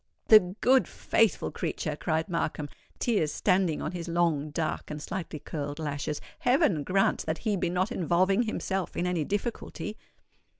"The good, faithful creature!" cried Markham, tears standing on his long, dark, and slightly curled lashes. "Heaven grant that he be not involving himself in any difficulty."